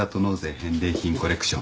返礼品コレクション。